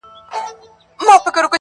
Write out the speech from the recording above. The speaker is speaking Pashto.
کږه غاړه توره نه وهي.